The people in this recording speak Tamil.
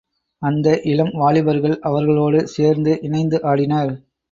அந்த இளம் வாலிபர்கள் அவர்களோடு சேர்ந்து இணைந்து ஆடினர்.